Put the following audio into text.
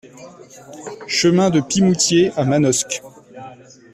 Chemin de Pimoutier à Manosque